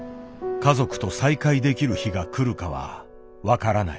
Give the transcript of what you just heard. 家族と再会できる日が来るかは分からない。